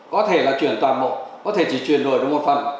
có thể là chuyển toàn bộ có thể chỉ chuyển đổi được một phần